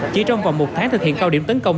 chỉ trong vòng một tháng thực hiện cao điểm tấn công